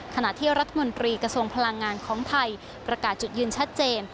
ขณะที่รัฐมนตรีกระทรวงพลังงานของไทยประกาศจุดยืนชัดเจน